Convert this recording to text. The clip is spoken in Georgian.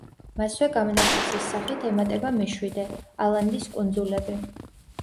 მასვე გამონაკლისის სახით ემატება მეშვიდე, ალანდის კუნძულები.